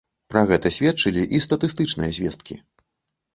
Пра гэта сведчылі і статыстычныя звесткі.